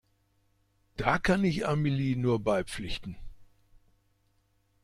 Da kann ich Amelie nur beipflichten.